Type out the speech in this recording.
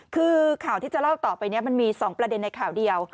คือข่าวที่จะเล่าต่อไปนี้มันมี๒ประเด็นในข่าวเดียว